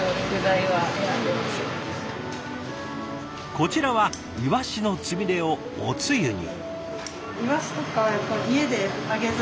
こちらはイワシのつみれをおつゆに。